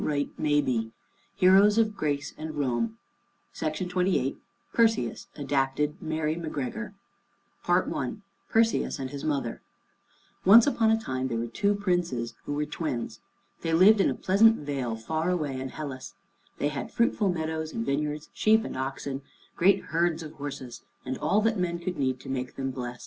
LEGENDARY HEROES OF MANY COUNTRIES HEROES OF GREECE AND ROME PERSEUS ADAPTED BY MARY MACGREGOR I PERSEUS AND HIS MOTHER Once upon a time there were two Princes who were twins. They lived in a pleasant vale far away in Hellas. They had fruitful meadows and vineyards, sheep and oxen, great herds of horses, and all that men could need to make them blest.